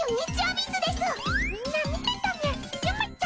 みんな見てたみゃ。